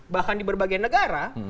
bahkan di berbagai negara